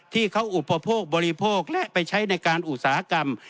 ที่เขาอุปโภคบริโภคและไปใช้ในการอุตสาหกรรม